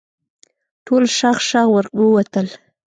ټول شغ شغ ووتل.